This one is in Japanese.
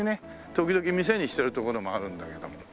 時々店にしてる所もあるんだけども。